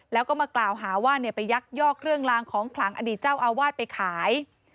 แล้วก็มากล่าวหาว่าไปยักยอกเครื่องลางของขลังอดีตเจ้าอาวาสไปขาย